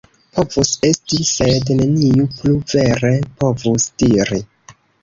Povus esti, sed neniu plu vere povus diri.